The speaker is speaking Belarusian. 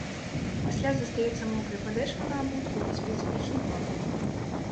Пасля застаецца мокрай падэшва на абутку і спецыфічны пах.